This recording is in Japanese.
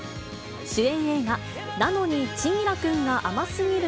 主演映画、なのに、千輝くんが甘すぎる。